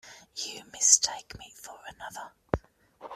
You mistake me for another.